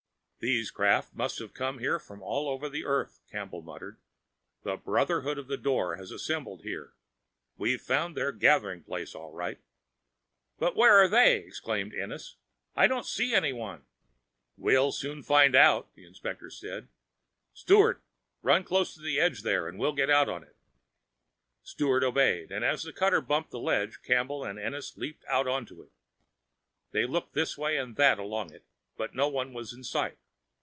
"These craft must have come here from all over earth!" Campbell muttered. "The Brotherhood of the Door has assembled here we've found their gathering place all right." "But where are they?" exclaimed Ennis. "I don't see anyone." "We'll soon find out," the inspector said. "Sturt, run close to the ledge there and we'll get out on it." Sturt obeyed, and as the cutter bumped the ledge, Campbell and Ennis leaped out onto it. They looked this way and that along it, but no one was in sight.